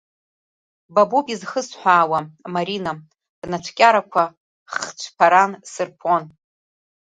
Ба боуп изхысҳәаауа, Марина, бнацәкьарақәа хцәԥаран сырԥон.